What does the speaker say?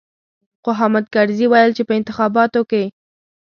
خو حامد کرزي ويل چې په انتخاباتو کې.